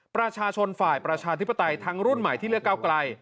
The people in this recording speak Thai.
ประชาชนฝ่ายประชาธิปไตยทั้งรุ่นใหม่ที่เลือกเก้าไกล